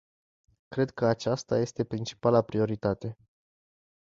Cred că aceasta este principala prioritate.